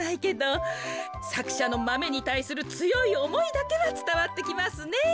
さくしゃのマメにたいするつよいおもいだけはつたわってきますね。